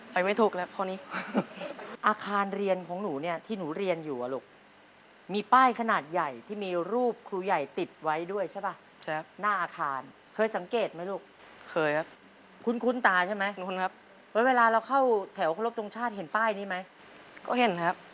พานโรงโครงแรกของโรงเรียนชื่อว่าอะไรครับ